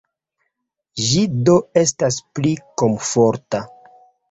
Ĝi do estas pli komforta.